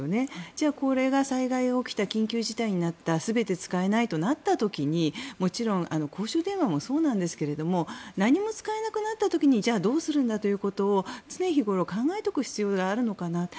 じゃあこれが、災害が起きた緊急事態になった全て使えないとなった時にもちろん公衆電話もそうなんですけど何も使えなくなった時にじゃあどうするんだってことを常日頃、考えておく必要があるのかなと。